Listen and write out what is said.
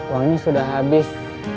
uangnya sudah habis